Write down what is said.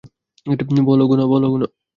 বলো, গুনা।